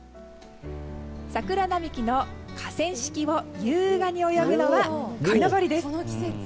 桜並木の河川敷を優雅に泳ぐのはこいのぼりです。